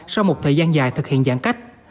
sau một thời gian dài thực hiện giãn cách